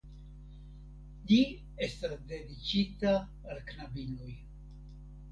Ĝi estas dediĉita al knabinoj.